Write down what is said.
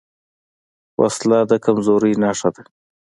وسله د کمزورۍ نښه ده